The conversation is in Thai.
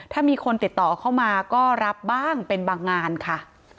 ถ้ามีคนติดต่อเข้ามาก็รับบ้างเป็นบางงานค่ะ